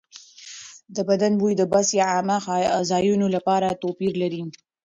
د بدن بوی د بس یا عامه ځایونو لپاره توپیر لري.